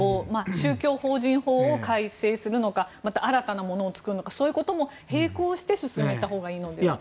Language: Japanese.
宗教法人法を改正するのかまた新たなものを作るのかそういうことも並行して進めたほうがいいんでしょうか。